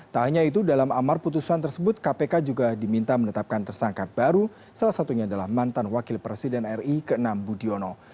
tak hanya itu dalam amar putusan tersebut kpk juga diminta menetapkan tersangka baru salah satunya adalah mantan wakil presiden ri ke enam budiono